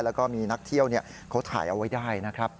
แล้วก็มีนักเที่ยวเขาถ่ายเอาไว้ได้นะครับ